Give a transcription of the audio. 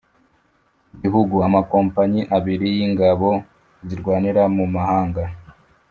gihugu amakompanyi abiri y'ingabo zirwanira mu mahanga,